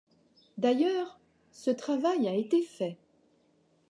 D’ailleurs, ce travail a été fait.